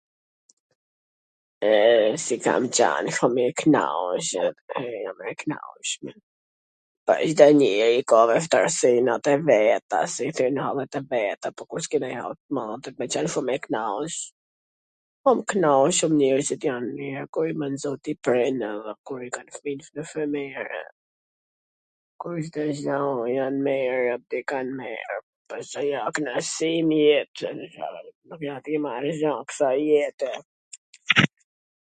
E si kan qan fmijt knaqw... e jam e knaqme... po Cdo njeri ka vwshtirsinat e veta.... po kur s ke ndonj hall tw madh duhet me qwn e kwnaq ... jam e knaqun kur njerzit jan mir, ... kur i bwn zoti prind edhe kur i kan fmijt mir, kur Cdo gja jan mir, i kan mir, pastaj a knaqsi n jet, Ca t i marrish gja ksaj jete...